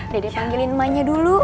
dede panggilin emaknya dulu